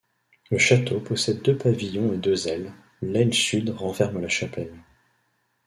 Le château possède deux pavillons et deux ailes, l'aile sud renferme la chapelle.